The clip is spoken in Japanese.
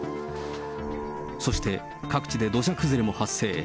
そして各地で土砂崩れも発生。